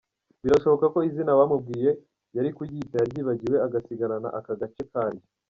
Birashoboka ko izina bamubwiye yari kuyita yaryibagiwe agasigarana aka gace karyo !.